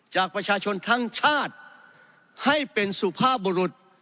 จากประชาชนทั้งชาติให้เป็นสุภาพบรุษ